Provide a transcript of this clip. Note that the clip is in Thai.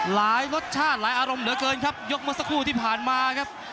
รสชาติหลายอารมณ์เหลือเกินครับยกเมื่อสักครู่ที่ผ่านมาครับ